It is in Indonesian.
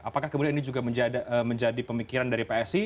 apakah kemudian ini juga menjadi pemikiran dari psi